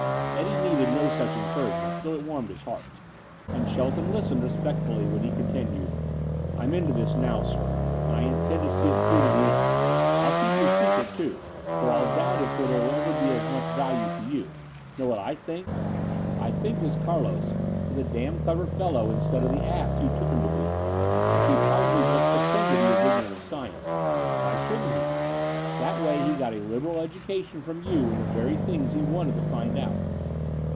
Eddie needed no such encouragement, though it warmed his heart. And Shelton listened respectfully when he continued, "I'm into this now, sir, and I intend to see it through to the end. I'll keep your secret, too, though I doubt if it'll ever be of much value to you. Know what I think? I think this Carlos is a damn clever fellow instead of the ass you took him to be. He probably just pretended he was ignorant of science. Why shouldn't he? That way he got a liberal education from you in the very things he wanted to find out.